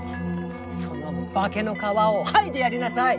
その化けの皮を剥いでやりなさい。